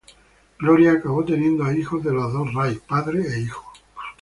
Gloria acabó teniendo hijos de los dos Ray: padre e hijo.